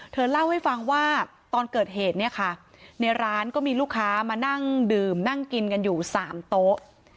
เธอเล่าให้ฟังว่าตอนเกิดเหตุเนี่ยค่ะในร้านก็มีลูกค้ามานั่งดื่มนั่งกินกันอยู่๓โต๊ะ